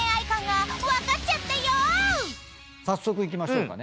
早速いきましょうかね。